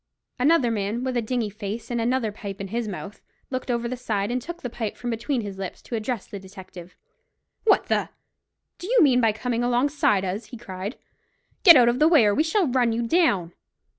Another man, with a dingy face, and another pipe in his mouth, looked over the side, and took his pipe from between his lips, to address the detective. "What the —— do you mean by coming alongside us?" he cried. "Get out of the way, or we shall run you down."